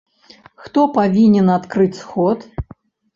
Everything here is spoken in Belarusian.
Хто павінен адкрыць сход?